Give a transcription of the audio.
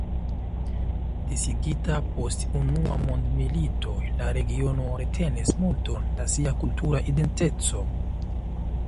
Disigita post unua mondmilito, la regiono retenis multon da sia kultura identeco.